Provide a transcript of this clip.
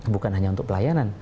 bukan hanya untuk pelayanan